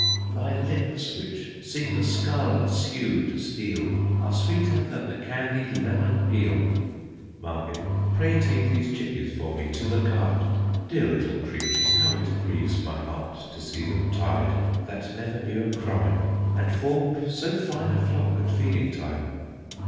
Thy lips, which seem the scarlet's hue to steal, Are sweeter than the candy'd lemon peel. MARGET. Pray take these chickens for me to the cart; Dear little creatures, how it grieves my heart To see them ty'd, that never knew a crime, And formed so fine a flock at feeding time!